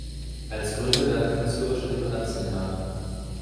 Als Gründe werden künstlerische Differenzen genannt.